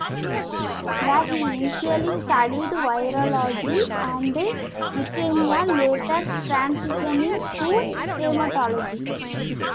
There he initially studied virology and leukemia, later transitioning to hematology.